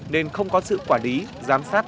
nên không có sự quản lý giám sát